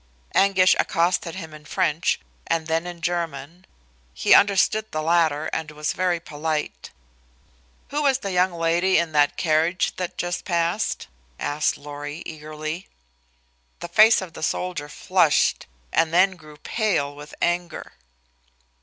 Anguish accosted him in French and then in German. He understood the latter and was very polite. "Who was the young lady in the carriage that just passed?" asked Lorry, eagerly. The face of the soldier flushed and then grew pale with anger.